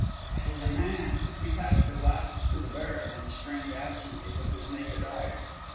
"It is a man." He passed the glasses to the Baron and strained absently with his naked eyes.